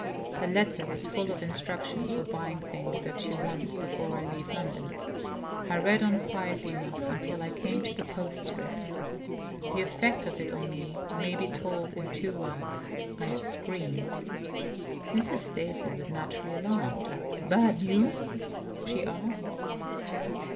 Her letter was full of instructions for buying things that she wants, before I leave London. I read on quietly enough until I came to the postscript. The effect of it on me may be told in two words: I screamed. Mrs. Staveley was naturally alarmed. "Bad news?" she asked.